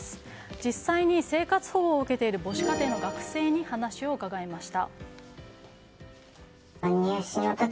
実際に生活保護を受けている母子家庭の学生に話を伺いました。